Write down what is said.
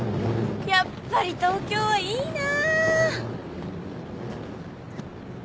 やっぱり東京はいいな！